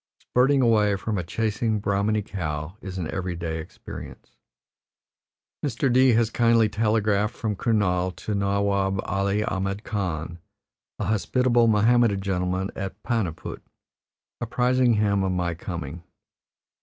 Spurting away from a chasing Brahmani cow is an every day experience. Mr. D has kindly telegraphed from Kurnaul to Nawab Ali Ahmed Khan, a hospitable Mohammedan gentleman at Paniput, apprising him of my coming.